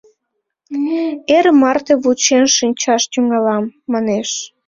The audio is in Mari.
«Эр марте вучен шинчаш тӱҥалам», манеш.